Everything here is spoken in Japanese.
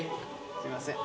すいません。